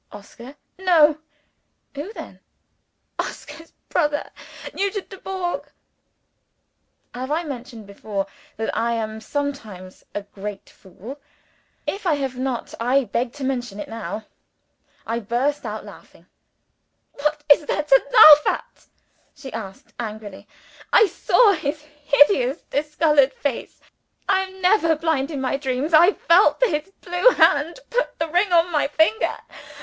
"Oscar?" "No." "Who then?" "Oscar's brother. Nugent Dubourg." (Have I mentioned before, that I am sometimes a great fool? If I have not, I beg to mention it now. I burst out laughing.) "What is there to laugh at?" she asked angrily. "I saw his hideous, discolored face I am never blind in my dreams! I felt his blue hand put the ring on my finger.